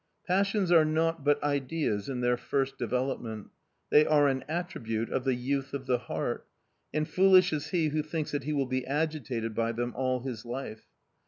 Passions are naught but ideas in their first development; they are an attribute of the youth of the heart, and foolish is he who thinks that he will be agitated by them all his life.